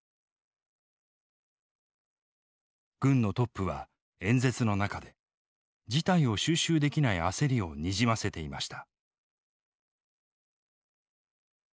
軍のトップは演説の中で事態を収拾できない焦りをにじませていました。